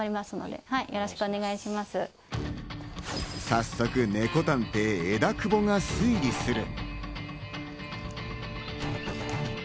早速ネコ探偵・枝久保が推理する。